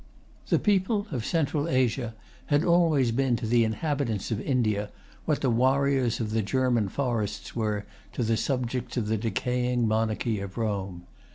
The people of Central Asia had always been to the inhabitants of India what the warriors of the German forests were to the subjects of the decaying monarchy of Rome.